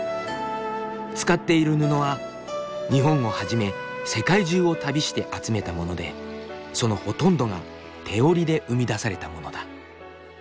使っている布は日本をはじめ世界中を旅して集めたものでそのほとんどが手織りで生み出されたものだ。